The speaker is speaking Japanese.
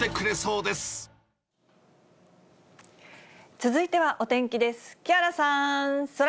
続いてはお天気です。